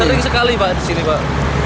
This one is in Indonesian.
sering sekali pak disini pak